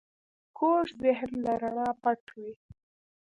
کوږ ذهن له رڼا پټ وي